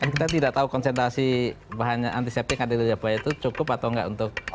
kita tidak tahu konsentrasi bahan antiseptik ada di lidah buaya itu cukup atau nggak untuk membunuh